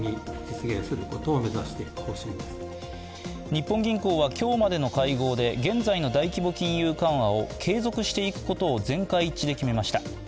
日本銀行は今日までの会合で現在の大規模金融緩和を継続していくことを全会一致で決めました。